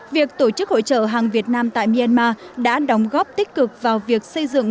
việc tổ chức hội trợ hàng việt nam tại myanmar đã đóng góp tích cực vào việc xây dựng